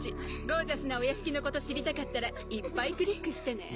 ゴージャスなお屋敷のこと知りたかったらいっぱいクリックしてね。